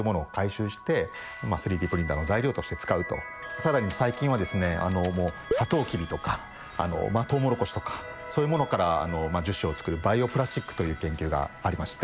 更に最近はですねもうサトウキビとかトウモロコシとかそういうモノから樹脂を作るバイオプラスチックという研究がありまして。